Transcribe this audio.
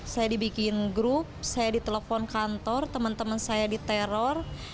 saya dibikin grup saya ditelepon kantor teman teman saya diteror